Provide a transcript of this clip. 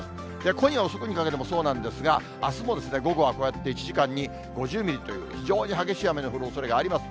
今夜遅くにかけてもそうなんですが、あすも午後はこうやって１時間に５０ミリという、非常に激しい雨の降るおそれがあります。